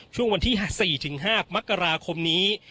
ช่วงวันที่๔๕มกราคมนี้